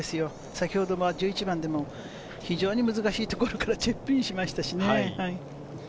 先ほど１１番でも非常に難しいところからチップインしましたしね。